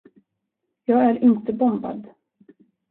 Jag är inte bombad.